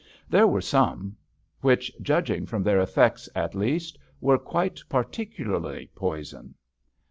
There were some which, judging from their effects at least, were quite particularly poison.